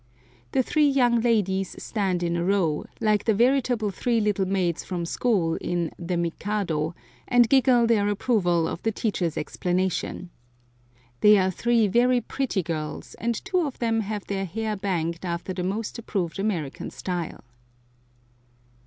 The three young ladies stand in a row, like the veritable "three little maids from school" in "The Mikado," and giggle their approval of the teacher's explanation. They are three very pretty girls, and two of them have their hair banged after the most approved American style.